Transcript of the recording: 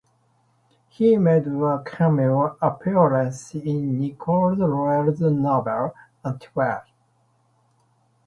He made a cameo appearance in Nicholas Royle's novel "Antwerp".